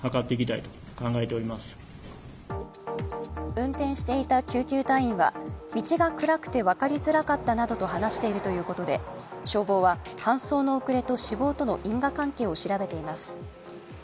運転していた救急隊員は道が暗くて分かりづらかったなどと話しているということで、消防は搬送の遅れと死亡との因果関係を調べています。